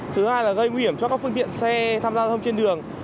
thứ hai là gây nguy hiểm cho các phương tiện xe tham gia giao thông trên đường